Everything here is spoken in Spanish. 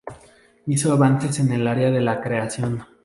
Hizo avances en el área de la creación.